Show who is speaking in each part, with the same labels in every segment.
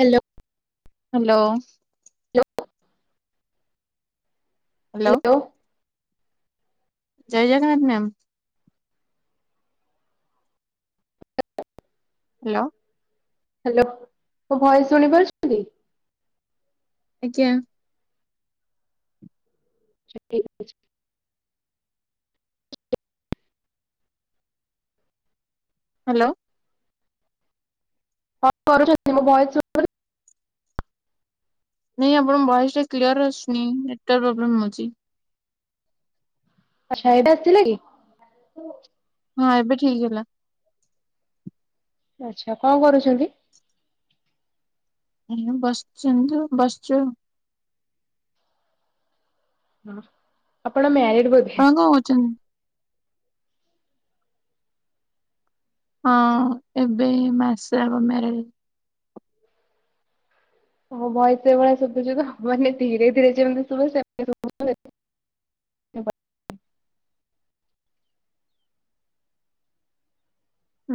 Speaker 1: Hello.
Speaker 2: Hello. Hello
Speaker 1: ଲୋଓ।
Speaker 2: ଜୟ Jagannath ma'am. Hello.
Speaker 1: Hello ମୋ ଭଏସ୍ ଶୁଣିପାରୁଛ?
Speaker 2: ଆଜ୍ଞା।
Speaker 1: ଛୁଟି ଅଛ୍
Speaker 2: ହାଲୋ।
Speaker 1: ହଁ କରୁଛନ୍ତି ମୋ ଭଏସ୍ ଶୁଉନି।
Speaker 2: ନିଁ ଆପଣଙ୍କ ଭଏସ୍ ଟା କ୍ଲିୟର୍ ଆସୁନି ନେଟୱାର୍ ପ୍ରୋବ୍ଲେମ୍ ହଉଚି।
Speaker 1: ଆଚ୍ଛା ଏବେ ଆସିଲା କି?
Speaker 2: ହଁ ଏବେ ଠିକ୍ ହେଲା।
Speaker 1: ଆଚ୍ଛା କଣ କରୁଚନ୍ତି?
Speaker 2: ଏ ବସିଚନ୍ତି ଆଉ ବସଚ।
Speaker 1: ହଁ ଆପଣ ମ୍ୟାରେଡ଼୍ ବ
Speaker 2: ଆପଣ କଁ କରଚନ୍ତି? ହଁ ଏବେ ଏଇ ମାସେ ହବ ମ୍ୟାରେଡ଼୍।
Speaker 1: ଓହୋ ଭଏସ୍ ସେଇ ଭଳିଆ ଶୁଭୁଚି ତ ମାନେ ଧୀରେ ଧୀରେ ଯେମିତି ଶୁଭେ ସେମ୍ ଶୁବୁ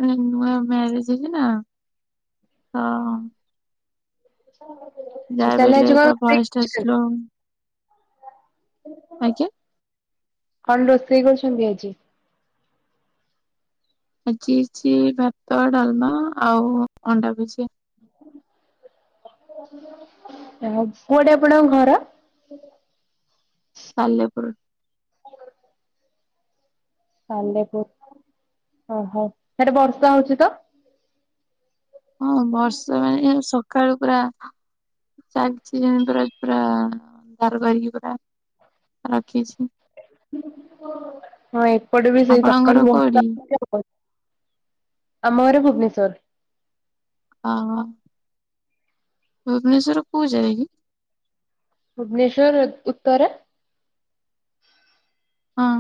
Speaker 2: ଉଁ ନୂଆ ମ୍ୟାରେଜ୍ ହେଇଚି ନା ତ ଯା
Speaker 1: ଆଚ୍ଛା
Speaker 2: ବି
Speaker 1: ତାହେଲେ ଆଜି
Speaker 2: ହେଲେ
Speaker 1: କଣ
Speaker 2: ତ
Speaker 1: ରୋଷେଇ
Speaker 2: ଭଏସ୍ ଟା
Speaker 1: କରିଛନ୍ତି?
Speaker 2: ସ୍ଲୋ ଆଜ୍ଞା?
Speaker 1: କଣ ରୋଷେଇ କରୁଛନ୍ତି ଆଜି?
Speaker 2: ଆଜିି ହେଇଚି ଭାତ, ଡାଲମା ଆଉ ଅଣ୍ଡା ଭୁଜିଆ।
Speaker 1: ଆ କୁଆଡ଼େ ଆପଣଙ୍କ ଘର?
Speaker 2: ସାଲେପୁର।
Speaker 1: ସାଲେପୁର ଓହୋ ସ୍ୟାଡ଼େ ବର୍ଷା ହଉଚି ତ?
Speaker 2: ହଁ ବର୍ଷା ମାନେ ସକାଳୁ ପୁରା ଚାଲଚି ଯେଁ ପୁର ପୁରା ଧାର ବାରିକି ପୁରା ରଖିଚି।
Speaker 1: ହଁ ଏପଟେ ବି ସେଇ
Speaker 2: ଆପଣଙ୍କ ଘର
Speaker 1: ସକାଳୁ
Speaker 2: କୋଉଠି?
Speaker 1: ବର୍ଷା [unintelligible] ଅ ଅମ ଘର ଭୁବନେଶ୍ୱର।
Speaker 2: ଅହ ଭୁବନେଶ୍ୱରର କୋଉ ଜାଗା କି?
Speaker 1: ଭୁବନେଶ୍ୱର ଉତ୍ତରା।
Speaker 2: ହଁ।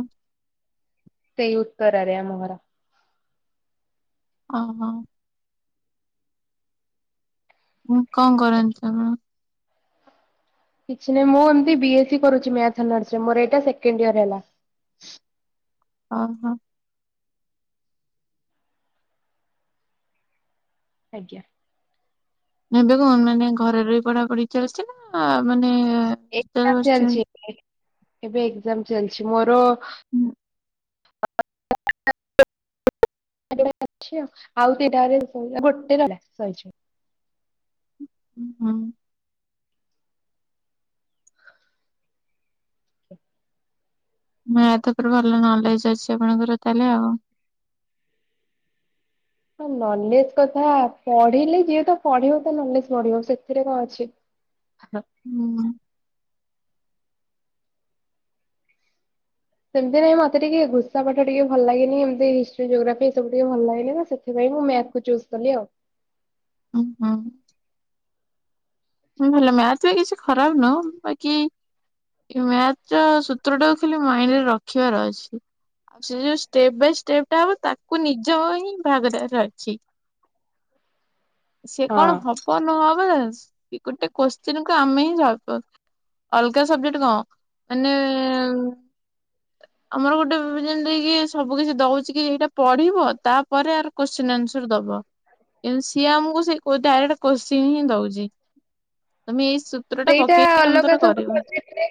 Speaker 1: ସେଇ ଉତ୍ତରାରେ ଆମ ଘର।
Speaker 2: ଅହ। ମୁଁ କଣ
Speaker 1: ଆଜ୍ଞା।
Speaker 2: କରନ୍ତି ଆପଣ?
Speaker 1: କିଛି ନାହିଁ ମୁଁ ଏମିତି ବି ଏସ୍ ସି କରୁଛି ମ୍ୟାଥ ହୋନରସ୍ ରେ ମୋର ଏଇଟା ସେକେଣ୍ଡ ଇୟର ହେଲା।
Speaker 2: ଓହୋ।
Speaker 1: ଆଜ୍ଞା।
Speaker 2: ଏବେ କଣ ମାନେ ଘରେ ରହି ପଢା ପଢି ଚାଲିଛି ନା ମାନେ ହଷ୍ଟେଲ
Speaker 1: ଏକ୍ସାମ୍
Speaker 2: ବସିଛନ୍ତି?
Speaker 1: ଚାଲିଛି ଏବେ। ଏବେ ଏକ୍ସାମ୍ ଚାଲିଛି ମୋର।
Speaker 2: ହୁଁ।
Speaker 1: [inaudible] [unintelligible] ଭଲ ଅଛି ଆଉ। ଆଉ ବି ଡାଇରେକ୍ଟ ଗୋଟେ ରହିଲା ସ
Speaker 2: ଓ ହୋ। [unintelligible]
Speaker 1: ହ [inaudible]
Speaker 2: ମ୍ୟାଥ ଉପରେ ଭଲ ନଲେଜ ଅଛି ଆପଣଙ୍କର ତାହେଲେ ଆଉ।
Speaker 1: ହଁ ନଲେଜ କଥା ପଢିଲେ ଯିଏତ ପଢିବ ତା ନଲେଜ ବଢିବ ସେଥିରେ କଣ ଅଛି। ହଁ [inaudible]
Speaker 2: ହୁଁ
Speaker 1: ସେମତି ନାଇଁ ମତେ ଟିକେ ଘୋଷା ପାଠ ଟିକେ ଭଲ ଲାଗେନି। ଏମତି ହିଷ୍ଟି ଜୋଗ୍ରାଫି ଏ ସବୁ ଟିକେ ଭଲ ଲାଗେନି ନା ସେ ସେଥିପାଇଁ ମୁଁ ମ୍ୟାଥ କୁ ଚୁଜ୍ କଲି ଆଉ ‌।
Speaker 2: ଉଁ ହଁ ଭଲ ମ୍ୟାଥ ବି କିଛି ଖରାପ ନୁହଁ ବାକି ଏ ମ୍ୟାଥ ର ସୂତ୍ରଟାକୁ ଖାଲି ମାଇଣ୍ଡରେ ରଖିବାର ଅଛି। ସେ ଯୋଉ ଷ୍ଟେପ୍ ବାଇ ଷ୍ଟେପ୍ ଟା ହବ ତାକୁ ନିଜ ହିଁ ଭାଗ ଦାର ଅଛି।
Speaker 1: [inaudible]
Speaker 2: ସେ କଣ ହବ ନହବ ସେ ଗୋଟେ କୋଶ୍ଚିିନ କୁ ଆମେ ହିଁ ସୋଲ୍ଭ କରୁଛୁ। ଅଲଗା ସବଜେକ୍ଟ କଣ? ମାନେ ଆମର ଗୋଟେ ଯେମତିକି ସବୁକିଛି ଦଉଛି କି ଏଇଟା ପଢିବ ତାପରେ ଆର କୋତ୍ସିନ୍ ଆନ୍ସର ଦବ କିନ୍ତୁ ସିଏ ଆମକୁ ସେ ଡା କୋତ୍ସିନ ହିଁ ଦଉଛି। ତମେ ଏଇ ସୂତ୍ର ଟା
Speaker 1: ସେଇଟା
Speaker 2: ପକେଇକି ତମେ
Speaker 1: ଅଲଗା
Speaker 2: ତମର
Speaker 1: ସବୁ
Speaker 2: କରିବ।
Speaker 1: ସବଜେକ୍ଟରେ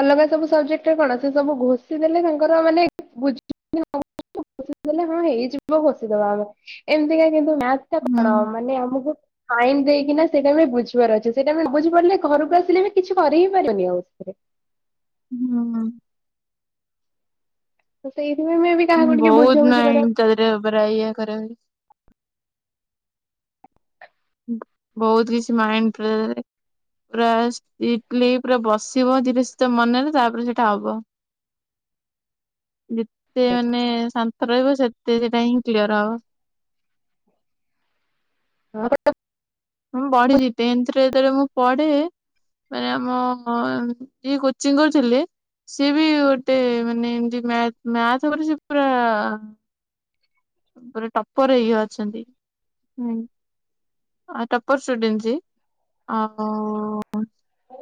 Speaker 1: ଅଲଗା ସବୁ ସବଜେକ୍ଟରେ କଣ ସେ ସବୁ ଘୋଷି ଦେଲେ ତାଙ୍କର ମାନେ ବୁ ହଁ ହେଇଯିବ ଘୋଷିଦବା ଏବେ। ଏମିତିକା କିନ୍ତୁ ମ୍ୟାଥଟା
Speaker 2: ହୁଁ
Speaker 1: କଣ ମାନେ ଆମକୁ ସାଇ ଦେଇକିନା ସେଇଟା ଆମେ ବୁଝିବାର ଅଛି ସେଇଟା ଆମେ ନବୁଝିପାରିଲେ ଘରକୁ ଆସିଲେ ବି କିଛି କରିହିଁ ପାରିବାନି ଆଉ।
Speaker 2: ହୁଁ।
Speaker 1: ତ ସେଇଥିପାଇଁ ବି କାହାକୁ ଟିକେ ବୁଝାବୁଝି କରେ ଆଉ।
Speaker 2: ସେଇ ଥିରେ ପୁରା ଇଏ କରରେ [unintelligible] ବହୁତ କିଛି ମାଇଣ୍ଡରେ ପୁରା ଷ୍ଟ୍ରିକ୍ଟଲି ପୁରା ବସିବ ଧୀରେ ସ୍ତିର ମନରେ ତାପରେ ସେଇଟା ହବ
Speaker 1: [inaudible]
Speaker 2: ଯେତେ ମାନେ ଶାନ୍ତ ରହିବ ସେତେ ସେଟା ହିଁ କ୍ଲିୟର ହବ।
Speaker 1: ହଁ [unintelligible]
Speaker 2: ହଁ ବଢି ଯିତେନ [unintelligible] ସେଥିରେ ଯେତେବେଳେ ମୁଁ ପଢିବି ମାନେ ଆମ ଯଏ କୋଚିଂ କରୁଥିଲେ ସିଏ ବି ଗୋଟେ ମାନେ ଏମତି ମ୍ୟାଥ ମ୍ୟାଥ ଉପରେ ସେ ପୁରା ପୁରା ଟପର ହେଇକି ଅଛନ୍ତି। ହୁଁ। ଆଉ ଟପର ଷ୍ଟୁଡେଣ୍ଟ୍ ଯିଏ ଆଉ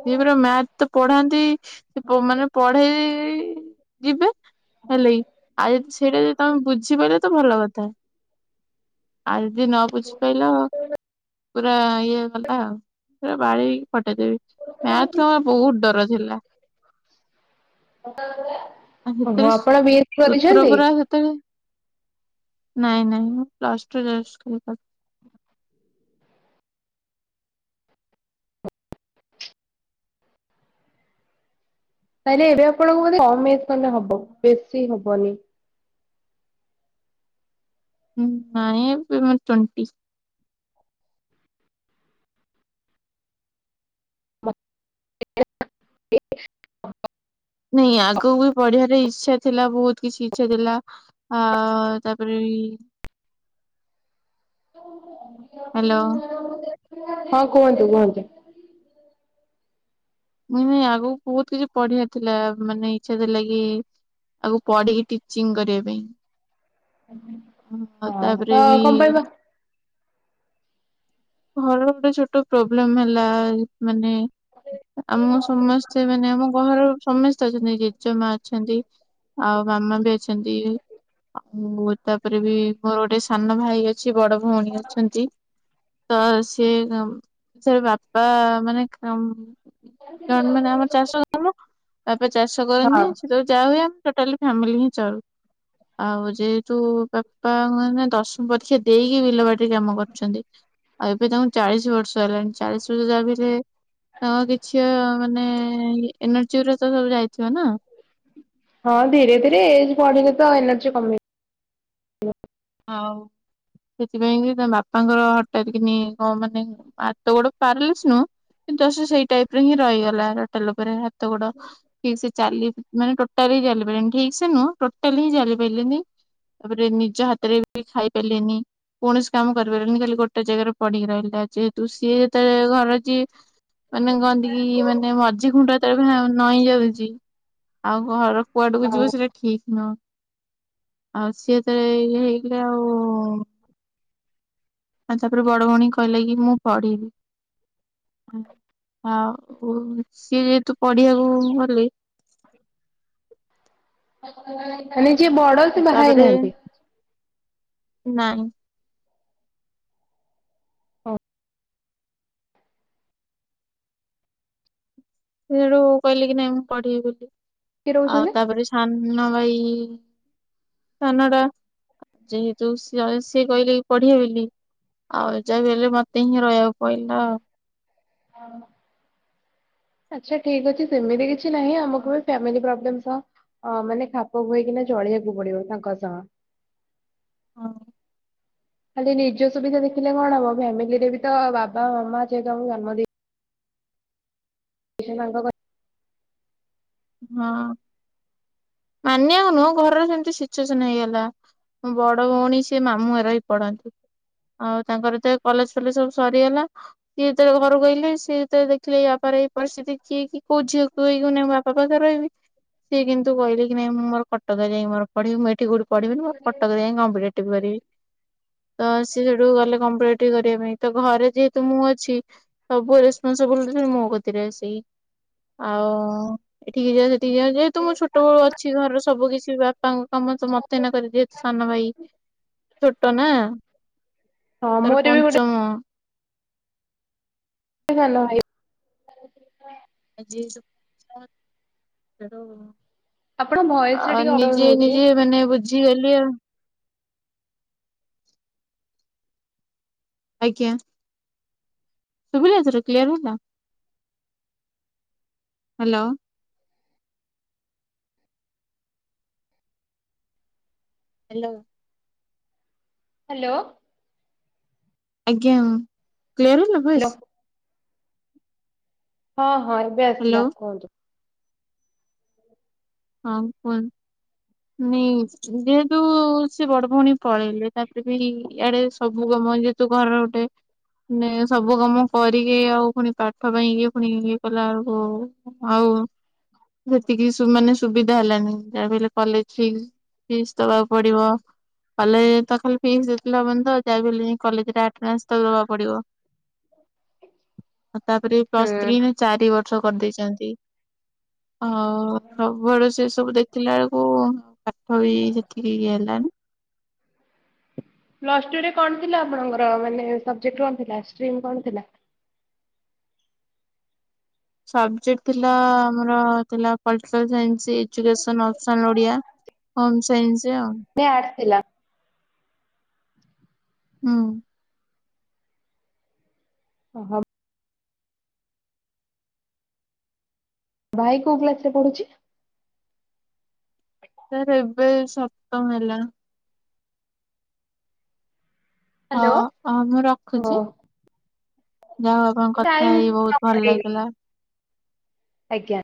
Speaker 2: ସେ ପୁରା ମ୍ୟାଥ ତ ପଢାନ୍ତି ସେ ମାନେ ପଢେଇ ଯିବେ ହେଲାକି ଆଉ ସେଇଟା ଯଦି ତମେ ବୁଝିପାରିଲ ତ ଭଲ କଥା। ଆଉଯଦି ନ ବୁଝିପାଇଲ ପୁରା ଇଏ ଗଲା ଆଉ। ପୁରା ବାଡେଇକି ଫଟେଇଦେବେ ମ୍ୟାଥ୍ ଟା ମୋର ବହୁତ୍ ଡର ଥିଲା।
Speaker 1: ଓହୋ ଆପଣ ବିଏ କରିଚନ୍ତି?
Speaker 2: ତ ନାଇଁ ନାଇଁ ମୁଁ ପ୍ଲସ୍ ଟୁ ଜଷ୍ଟ୍ କଲି।
Speaker 1: ତାହାଲେ ଏବେ ଆପଣଙ୍କୁ ବଧେ କମ୍ ଏଜ୍ ଖଣ୍ଡେ ହବ ବେଶୀ ହବନି।
Speaker 2: ହୁଁ ନାଇଁ ଏବେ ମର ଟ୍ୱେଣ୍ଟି।
Speaker 1: [inaudible]
Speaker 2: ନାଇଁ ଆଗକୁ ବି ପଢିବାର ଇଚ୍ଛା ଥିଲା ବହୁତ୍ କିଛି ଇଛା ଥିଲା ଆଉ ତାପରେ ବି ହ୍ୟାଲୋ
Speaker 1: ହଁ- କୁହନ୍ତୁ -କୁହନ୍ତୁ।
Speaker 2: ମୁଇଁ- ମୁଇଁ ଆଗୁକୁ ବହୁତ୍ କିଛି ପଢିବାର ଥିଲା ମାନେ ଇଚ୍ଛା ଥିଲା କି ଆଗକୁ ପଢିକି ଟିଚିଂ କରିବା ପାଇଁ
Speaker 1: ହଁ ତ
Speaker 2: ତାପରେ ବି
Speaker 1: କଣ ପାଇଁ ବା
Speaker 2: ଘରର ଗୋଟେ ଛୋଟ ପ୍ରୋବ୍ଲେମ୍ ହେଲା ମାନେ ଆମ ସମସ୍ତେ ମାନେ ଆମ ଘର ସମସ୍ତେ ଅଛନ୍ତି ଜେଜେମା ଅଛନ୍ତି ଆଉ ମାମା ବି ଅଛନ୍ତି ଆଉ ତାପରେ ବି ମୋର ଗୋଟେ ସାନ ଭାଇ ଅଛି ବଡ ଭଉଣୀ ଅଛନ୍ତି। ତ ସିଏ ସେ ବାପା ମାନେ କାମ୍ [unintelligible] ଆମ ଚାଷ କାମ ବାପା ଚାଷ
Speaker 1: ହଁ।
Speaker 2: କରନ୍ତି ସେତେବେଳେ ଯା ହୁଏ ଟୋଟାଲି ଫ୍ୟାମିଲି ହିଁ ଚଳୁ। ଆଉ ଯେହେତୁ ବାପା ମାନେ ଦଶମ ପରୀକ୍ଷା ଦେଇକି ବିଲବାଡିରେ କାମ କରୁଚନ୍ତି ଆଉ ଏବେ ତାଙ୍କୁ ଚାଳିଶ୍ ବର୍ଷ ହେଲାଣି ଚାଳିଶ୍ [unintelligible] ତ କିଛି ମାନେ ଏନର୍ଜି ଗୁରା ତ ସବୁ ଯାଇଥିବ ନା
Speaker 1: ହଁ ଧୀରେ ଧୀରେ ଏଜ୍ ବଢିଲେ ତ ଏନର୍ଜି କମିବ।
Speaker 2: ହଉ। ସେଥିପାଇଁ କି ତା ବାପାଙ୍କର ହଟାତ୍ କିିନି କଣ ମାନେ ହାତ ଗୋଡ ପାରିଲିସ୍ ନୁହୁଁ କିନ୍ତୁ ଜଷ୍ଟ୍ ସେଇ ଟାଇପ୍ ରେ ହିଁ ରହିଗଲା ଟୋଟାଲେ ଉପରେ ହାତ ଗୋଡ ଠିକ୍ ସେ ଚାଲି ମାନେ ଟୋଟାଲି ଚାଲି ପାଇଲେନି ଠିକ୍ ସେ ନୁହଁ ଟୋଟାଲି ହିଁ ଚାଲି ପାଇଲେନି। ତାପରେ ନିଜ ହାତରେ ବି ଖାଇପାଇଲେନି କୌଣସି କାମ କରିପାରିଲେନି ଖାଲି ଗୋଟେ ଜାଗାରେ ପଡିକି ରହିଲେ ଯେହେତୁ ସିଏ ଯେତେବେଳେ ଘରର ଯିଏ ମାନେ କହନ୍ତି କି ମାନେ ମଝି ଖୁଣ୍ଟ [unintelligible] ନଇଁ ଯାଉଚି ଆଉ ଘର କୁଆଡକୁ ଯିବ ସେଇଟା ଠିକ୍ ନୁହଁ ଆଉ ସିଏ ଯେତେବେଳେ ଇଏ ହେଇ କିରା ଆଉ ଆଉ ତାପରେ ବଡ ଭଉଣୀ କହିଲା କି ମୁଁ ପଢିବି। ଆଉ ସିଏ ଯେହେତୁ ପଢିବାକୁ ଗଲି
Speaker 1: ମାନେ ଯିଏ ବଡ
Speaker 2: ଆଉ
Speaker 1: ସେ ବାହା ହେଇ
Speaker 2: ତାପରେ
Speaker 1: ନାହାନ୍ତି?
Speaker 2: ନାଇଁ।
Speaker 1: ହଁ
Speaker 2: ସେ ସେଠୁ କହିଲେ କି ନାଇଁ ମୁଁ ପଢିବି ବୋଲି
Speaker 1: କିଏ
Speaker 2: ଆଉ
Speaker 1: ରହୁଛନ୍ତି
Speaker 2: ତାପରେ ସାନ ଭାଇ ସାନ ଟା ଯେହେତୁ ସିଏ ଅ-କହିଲେ କି ପଢିିବେ ବୋଲି ଆଉ ଯାହାବି ହେଲେ ମତେ ହିଁ ରହିବାକୁ ପଇଲା ଆଉ।
Speaker 1: ହଁ ଆଚ୍ଛା ଠିକ୍ ଅଛି ସେମିତି କିଛି ନାହିଁ ଆମକୁ ବି ଫ୍ୟାମିଲ ପ୍ରୋବ୍ଲେମ୍ ସହ ଅ- ମାନେ ଖାପଖୁଏଇ କିନା ଚଳିବାକୁ ପଡିବ ତାଙ୍କ ସହ।
Speaker 2: [inaudible]
Speaker 1: ଖାଲି ନିଜ ସୁବିଧା ଦେଖିଲେ କଣ ହବ ଫ୍ୟାମିଲି ରେ ବି ତ ବାବା ମାମା ସେ ତମକୁ ଜନ୍ମ ଦେଇ [unintelligible]
Speaker 2: ହଁ। ମାନିବାକୁ ନୁହଁ ଘରର ସେମିତି ସିଚୁଏସନ ହେଇଗଲା। ମୋ ବଡ ଭଉଣୀ ସେ ମାମୁଁ ଘରେ ରହି ପଢନ୍ତି। ଆଉ ତାଙ୍କର ତ ଏ କଲେଜ ଫଲେଜ ସବୁ ସରିଗଲା। ସିଏ ଯେତେବେଳେ ଘରୁ କୁ ଆଇଲେ ସିଏ ଯେତେବେଳେ ଦେଖିଲେ ୟା ପରେ। ପରିସ୍ଥିତି କି ଦେଖି କି କୋଉ ଝିଅ କହିବ ନାଇଁ ମୁଁ ବାପା ପାଖ ରେ ରହିବି ସିଏ କିନ୍ତୁ କହିଲେ। କି ନାହିଁ ମୁଁ ମୋର କଟକରେ ଯାଇଁ ମୋର ପଢିବିଁ ମୁଁ ଏଠି କଉଠି ପଢିବିନି ମୋର କଟକ ରେ ଯାଇଁକି କମ୍ପିଟେଟିଭ୍ କରିବି। ତ ସିଏ ସେଠୁ ଗଲେ କମ୍ପିଟେଟିଭ କରିବା ପାଇଁ ତ ଘରେ ଯେହେତୁ ମୁଁ ଅଛି। ସବୁ ରେସପନସିବୁଲଟି ମୋ କତିରେ ଆସିକି। ଆଉ ଏଠିକି ଯା ସେଠିକି ଯା ଯେହେତୁ ମୁଁ ଛୋଟ ବେଳୁ ଅ ଅଛି ଘରର ସବୁ କିଛି ବାପାଙ୍କ କାମ ତ ମତେ ଏଇନା କରିବି ଯେହେତୁ ସାନ ଭାଇ। ଛୋଟ ନା
Speaker 1: ହଁ
Speaker 2: ତାର
Speaker 1: ମୋର ବି ଗୋଟେ
Speaker 2: ପଞ୍ଚମ।
Speaker 1: ସାନ ଭାଇ।
Speaker 2: [unintelligible]
Speaker 1: ଆପଣଙ୍କ ଭଏସ ରେ
Speaker 2: ଆଉ
Speaker 1: ଟିକେ ଅପଡାଉନ
Speaker 2: ନିଜେ
Speaker 1: ହଉଛି
Speaker 2: ନିଜେ ମାନେ ବୁଝିଗଲି ଆଉ। ଆଜ୍ଞା ଶୁଭିଲା ଏଥର କ୍ଲିୟର ହେଲା। ହାଲୋ। ହାଲୋ।
Speaker 1: ହାଲୋ।
Speaker 2: ଆଜ୍ଞା କ୍ଲିୟର ହେଲା ଭଏସ।
Speaker 1: ହଁ ହଁ ଏବେ
Speaker 2: ହ୍ୟାଲୋ
Speaker 1: ଆସିଲା କୁହନ୍ତୁ।
Speaker 2: ହଁ କୁହନ୍ତୁ ନାଇ ଯେହେତୁ ସେ ବଡ ଭଉଣୀ। ପଳେଇଲେ ତାପରେ ବି ଇଆଡେ ସବୁ କାମ ଯେହେତୁ ଘରର ଗୋଟେ। ମାନେ ସବୁ କାମ କରିକି ଆଉ ପୁଣି ପାଠ ପାଇଁ ଇଏ ପୁଣି ଇଏ କଲା ବେଳକୁ। ଆଉ ସେତିକି ସୁ ମାନେ। ସୁବିଧା ହେଲାନି ଦାବି ହେଲେ କଲେଜ ଫି ଫିସ୍ ଦବାକୁ ପଡିବ। କଲେଜ ରେ ତ ଖାଲି ଫିସ୍ ଦେଇ ଦେଲେ ହବନି ତ ଯା ବି ହେଲେ ଜାଇଁ କଲେଜ ରେ ଆଟେନାନ୍ସ ତ ଦବାକୁ ପଡିବ। ଆଉ ତାପରେ ବି
Speaker 1: ହୁଁ
Speaker 2: ପ୍ଲସ୍ ଥ୍ରୀ ରେ ଚାରି ବ ର୍ଷ କରିଦେଇଛନ୍ତି। ସବୁଆଡୁ ସେ ସବୁ ଦେଖିଲା ବେଳକୁ ଆଉ ପାଠ ବି ସେତିକି ଇଏ ହେଲାନି।
Speaker 1: ପ୍ଲସ ଟୁ ରେ କଣ ଥିଲା ଆପଣଙ୍କର ମାନେ ସବଜେକ୍ଟ କଣ ଷ୍ଟ୍ରିମ୍ କଣ ଥିଲା।
Speaker 2: ସବଜେକ୍ଟ ଥିଲା ଆମର ଥିଲା ପଟିକାଲ୍ ସାଇନ୍ସ ଏଜୁକସ ଅପସନ୍ ଓଡ଼ିଆ।
Speaker 1: ନେ
Speaker 2: ହୋମ୍ ସାଇନ୍ସ ଆଉ।
Speaker 1: ସେ ଆସିଲା।
Speaker 2: ହୁଁ।
Speaker 1: ଓ ହ। ଭାଇ କୋଉ କ୍ଲାସ ରେ ପଢୁଛି।
Speaker 2: ତାର ଏବେ ସପ୍ତମ ହେଲା। ହଁ
Speaker 1: ହ୍ୟାଲୋ
Speaker 2: ହ ମୁଁ
Speaker 1: ଓ
Speaker 2: ରଖୁଛି ଯା ହ ଉ ଆପଣଙ୍କ
Speaker 1: ଏବେ
Speaker 2: କଥା
Speaker 1: ଟାଇମ୍
Speaker 2: ହେଇ ବହୁତ ଭଲ
Speaker 1: ହେଇଗଲା
Speaker 2: ଲାଗିଲା।
Speaker 1: ଆଜ୍ଞା।